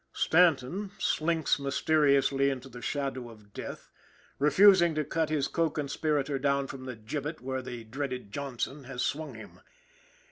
Stanton slinks mysteriously into the shadow of death, refusing to cut his co conspirator down from the gibbet where the dreaded Johnson has swung him.